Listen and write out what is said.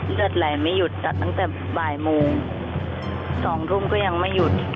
เลือดไหลไม่หยุดจัดตั้งแต่บ่ายโมง๒ทุ่มก็ยังไม่หยุด